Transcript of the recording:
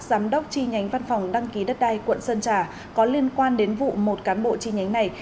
giám đốc chi nhánh văn phòng đăng ký đất đai quận sơn trà có liên quan đến vụ một cán bộ chi nhánh này